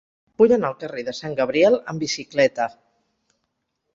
Vull anar al carrer de Sant Gabriel amb bicicleta.